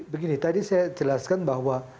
begini tadi saya jelaskan bahwa